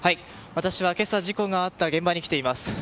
私は今朝、事故があった現場に来ています。